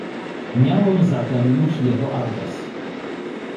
"Miałem zatem już jego adres."